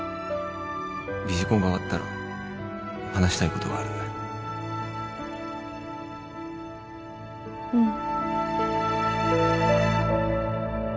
ビジコンが終わったら話したいことがあるうん